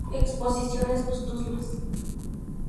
Exposiciones póstumas